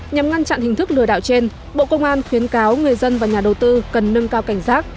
nhằm ngăn chặn hình thức lừa đảo trên bộ công an khuyến cáo người dân và nhà đầu tư cần nâng cao cảnh giác